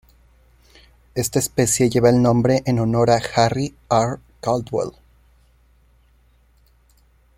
Esta especie lleva el nombre en honor a Harry R. Caldwell.